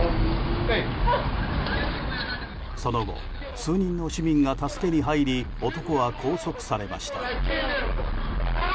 その後、数人の市民が助けに入り男は拘束されました。